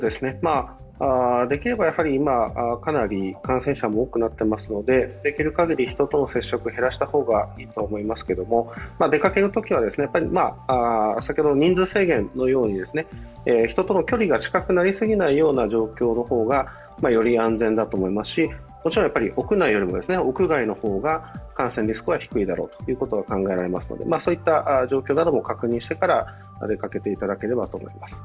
今かなり感染者も多くなっていますのでできるかぎり人との接触を減らした方がいいと思いますけど出かけるときは先ほどの人数制限のように人との距離が近くなりすぎないような状況の方がより安全だと思いますしもちろん屋内よりも屋外の方が感染リスクは低いだろうと考えられますのでそういった状況なども確認してから出かけていただければと思います。